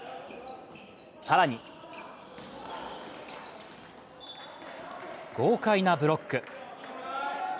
更に豪快なブロック。